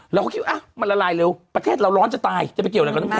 เราก็คิดว่ามันละลายเร็วประเทศเราร้อนจะตายจะไปเกี่ยวอะไรกับน้ำทะเล